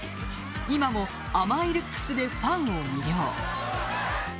今も甘いルックスでファンを魅了。